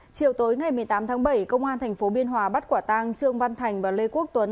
chiều tối ngày một mươi tám tháng bảy công an tp biên hòa bắt quả tang trương văn thành và lê quốc tuấn